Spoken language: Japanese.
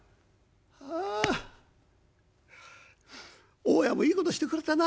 ああ大家もいいことしてくれたな。